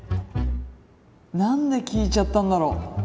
何で聞いちゃったんだろう。